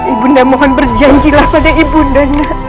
ibu nda mohon berjanjilah pada ibu nda